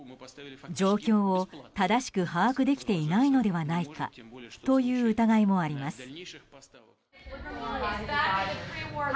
状況を正しく把握できていないのではないかという疑いもあります。